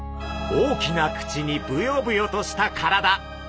大きな口にブヨブヨとした体。